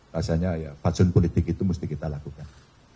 rasanya ya fatsun politik itu mesti kita lakukan